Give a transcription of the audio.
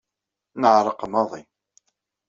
Neɛreq maḍi.